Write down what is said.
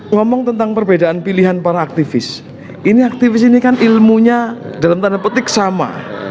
ngomong tentang perbedaan pilihan para aktivis ini aktivis ini kan ilmunya dalam tanda petik sama